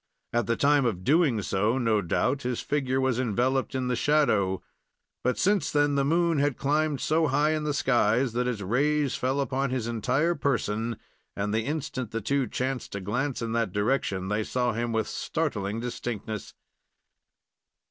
At the time of doing so, no doubt his figure was enveloped in the shadow, but since then the moon had climbed so high in the sky that its rays fell upon his entire person, and the instant the two chanced to glance in that direction, they saw him with startling distinctness.